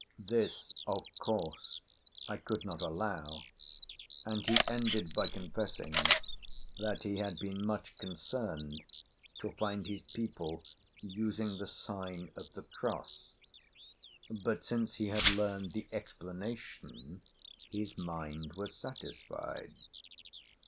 This, of course, I could not allow, and he ended by confessing that he had been much concerned to find his people using the sign of the cross, but since he had learned the explanation his mind was satisfied.